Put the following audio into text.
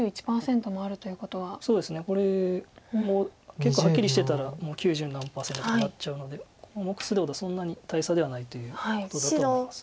結構はっきりしてたらもう九十何パーセントになっちゃうのでこの目数ということはそんなに大差ではないということだと思います。